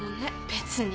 別に。